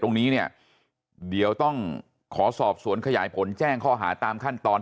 ตรงนี้เนี่ยเดี๋ยวต้องขอสอบสวนขยายผลแจ้งข้อหาตามขั้นตอน